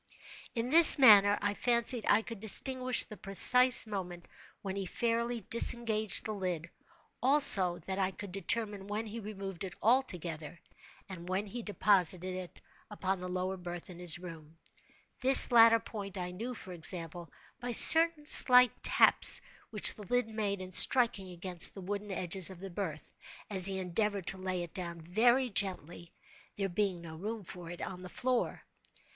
In this manner I fancied I could distinguish the precise moment when he fairly disengaged the lid—also, that I could determine when he removed it altogether, and when he deposited it upon the lower berth in his room; this latter point I knew, for example, by certain slight taps which the lid made in striking against the wooden edges of the berth, as he endeavored to lay it down very gently—there being no room for it on the floor.